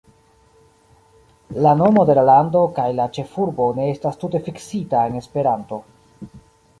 La nomo de la lando kaj la ĉefurbo ne estas tute fiksita en Esperanto.